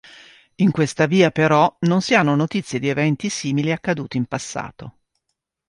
In questa via, però, non si hanno notizie di eventi simili accaduti in passato.